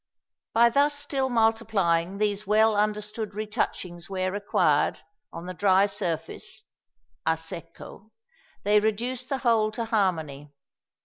"By thus still multiplying these well understood retouchings where required, on the dry surface, (à secco) they reduced the whole to harmony.